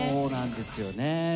そうなんですよね。